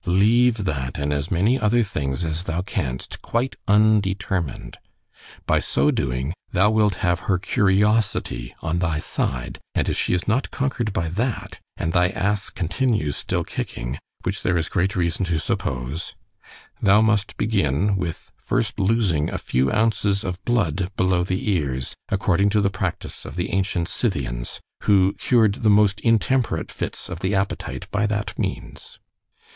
Leave that and as many other things as thou canst, quite undetermined; by so doing, thou wilt have her curiosity on thy side; and if she is not conquered by that, and thy Asse continues still kicking, which there is great reason to suppose——Thou must begin, with first losing a few ounces of blood below the ears, according to the practice of the ancient Scythians, who cured the most intemperate fits of the appetite by that means.